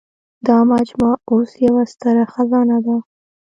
دا مجموعه اوس یوه ستره خزانه ده.